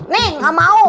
nih nggak mau